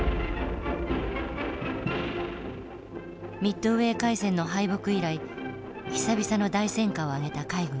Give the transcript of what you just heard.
ミッドウェー海戦の敗北以来久々の大戦果を挙げた海軍。